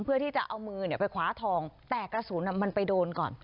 เพื่อที่จะเอามือไปคว้าทองแต่กระสุนมันไปโดนก่อน